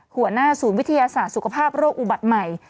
หัวหน้าศูนย์วิทยาศาสตร์สุขภาพโรคอุบัติใหม่